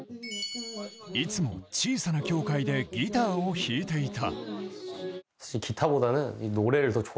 いつも小さな教会で、ギターを弾いていた。